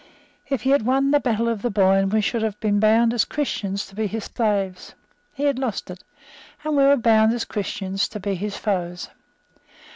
If he had won the battle of the Boyne we should have been bound as Christians to be his slaves. He had lost it; and we were bound as Christians to be his foes.